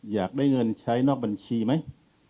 อยากได้เงินใช้นอกบัญชีไหม